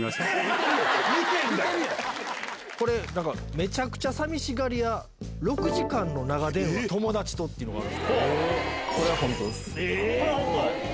「めちゃくちゃ寂しがり屋６時間の長電話友達と」ってのがあるんすけど。